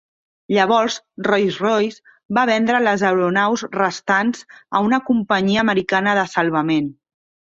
Llavors, Rolls-Royce va vendre les aeronaus restants a una companyia americana de salvament.